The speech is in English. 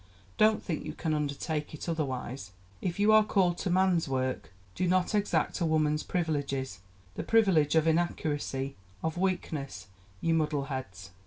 Don't think you can undertake it otherwise. ... If you are called to man's work, do not exact a woman's privileges the privilege of inaccuracy, of weakness, ye muddle heads.